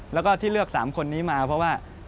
แล้วก็ที่เลือก๓คนนี้มาเพราะว่า